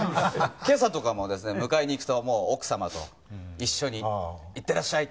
今朝とかもですね迎えに行くと奥様と一緒に「いってらっしゃい！」